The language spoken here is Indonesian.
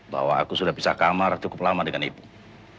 bahwa aku sudah pisah kamar cukup lama dengan ipung